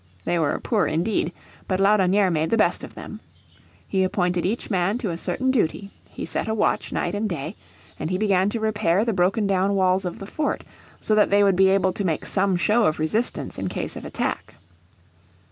They were poor indeed, but Laudonnière made the best of them. He appointed each man to a certain duty, he set a, watch night and day, and he began to repair the broken down walls of the fort, so that they would be able to make some show of resistance in ease of attack.